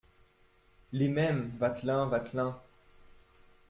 Les Mêmes, Vatelin Vatelin .